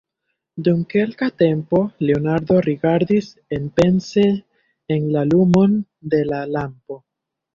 Dum kelka tempo Leonardo rigardis enpense en la lumon de la lampo.